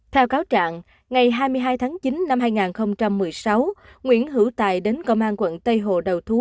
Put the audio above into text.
theo cáo trạng ngày hai mươi hai tháng chín năm hai nghìn một mươi sáu nguyễn hữu tài đến công an quận tây hồ đầu thú